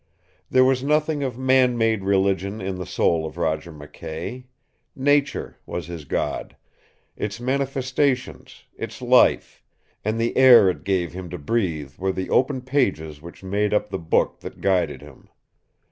There was nothing of man made religion in the soul of Roger McKay. Nature was his god; its manifestations, its life, and the air it gave him to breathe were the pages which made up the Book that guided him.